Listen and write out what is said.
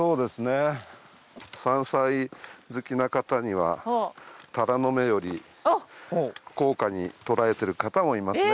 山菜好きな方にはタラの芽より高価に捉えている方もいますね。